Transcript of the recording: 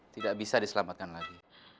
tidak bisa diselamatkan lagi